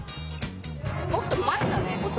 もっと前だね。